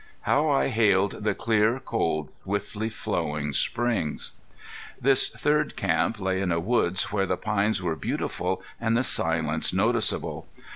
How I hailed the clear, cold, swiftly flowing springs! This third camp lay in a woods where the pines were beautiful and the silence noticeable.